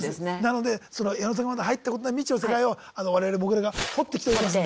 なのでその矢野さんがまだ入ったことない未知の世界を我々モグラが掘ってきておりますんで。